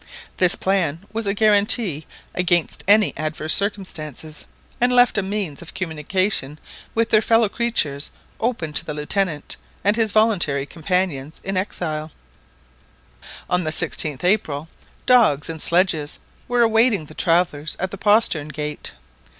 This plan was a guarantee against any adverse circumstances, and left a means of communication with their fellow creatures open to the Lieutenant and his voluntary companions in exile. On the 16th April dogs and sledges were awaiting the travellers at the postern gate.